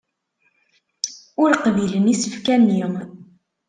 Ur qbilen isefka-nni.